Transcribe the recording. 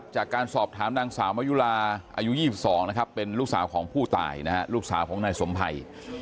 จากการสอบถามนางสาวมะยุลาอายุ๒๒นะครับเป็นลูกสาวของผู้ตายนะฮะลูกสาวของนายสมภัย